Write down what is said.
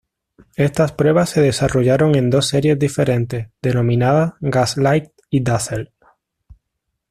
Estas pruebas se desarrollaron en dos series diferentes, denominadas Gaslight y Dazzle.